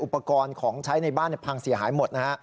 อุปกรณ์ของใช้ในบ้านพังเสียหายหมดนะฮะ